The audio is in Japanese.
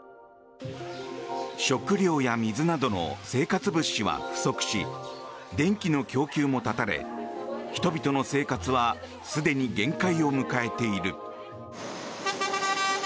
食料や水などの生活物資は不足し電気の供給も断たれ人々の生活はすでに限界を迎えている。